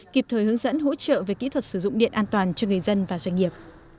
kịp thời hướng dẫn hỗ trợ về kỹ thuật sử dụng điện an toàn cho người dân và doanh nghiệp